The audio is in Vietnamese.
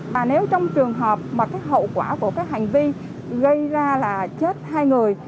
mà nếu trong trường hợp mà cái hậu quả của các hành vi gây ra là chết hai người